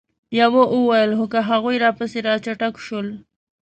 يوه وويل: خو که هغوی راپسې را چټک شول؟